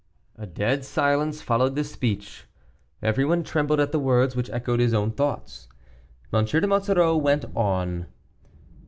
A dead silence followed this speech. Everyone trembled at the words which echoed his own thoughts. M. de Monsoreau went on.